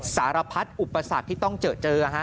สารพัดอุปสรรคที่ต้องเจอเจอ